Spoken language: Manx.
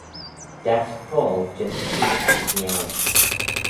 Dagh coayl jeant seose ayns niau.